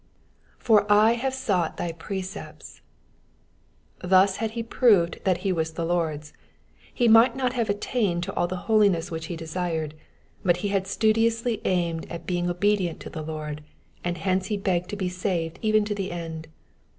''^FoT I have sought thy precepta.^^ . Thus had he proved that he was the Lord's. He might not have attained to all the holiness which he desired, but he had studiously aimed at being obedient to the Lord, and hence he begged to be saved even to the end.